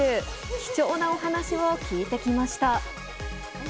貴重なお話を聞いてきました。